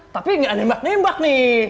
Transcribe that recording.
tapi nggak nembak nembak nih